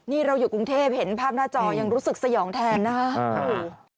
นี่เราอยู่กรุงเทพเห็นภาพหน้าจอยังรู้สึกสยองแทนนะครับ